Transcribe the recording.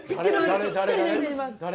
誰？